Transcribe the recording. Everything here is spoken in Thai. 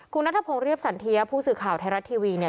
คุณนัทพงศ์เรียบสันเทียผู้สื่อข่าวไทยรัฐทีวีเนี่ย